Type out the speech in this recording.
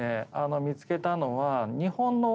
見つけたのは。